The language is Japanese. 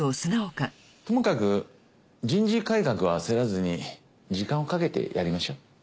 ともかく人事改革は焦らずに時間をかけてやりましょう。